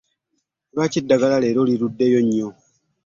Lwaki eddagala leero lirudeyo nnyo?